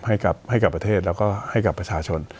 ให้กับประเทศแล้วก็ให้กับประชาชน